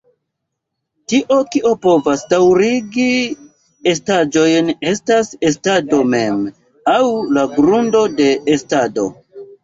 Tio, kio povas daŭrigi estaĵojn estas estado mem, aŭ la "grundo de estado.